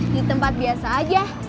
di tempat biasa aja